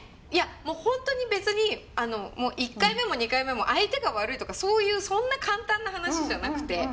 いやもう本当に別に１回目も２回目も相手が悪いとかそういうそんな簡単な話じゃなくて。